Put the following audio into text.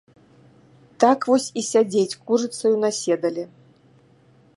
Так вось і сядзець курыцаю на седале.